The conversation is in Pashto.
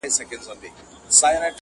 o يار ليدلي بيګا خوب کي پيمانې دي,